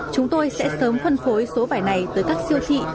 chúng tôi sẽ sớm phân phối số vải này tới các siêu thị